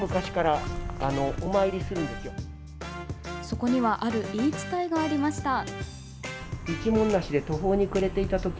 そこにはある言い伝えがありました。